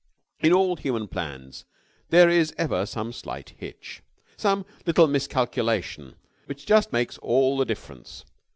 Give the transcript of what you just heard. In all human plans there is ever some slight hitch, some little miscalculation which just makes all the difference.